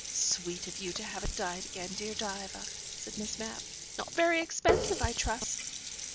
"Sweet of you to have it dyed again, dear Diva," said Miss Mapp. "Not very expensive, I trust?"